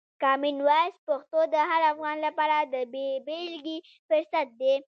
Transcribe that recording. کامن وایس پښتو د هر افغان لپاره د بې بېلګې فرصت دی.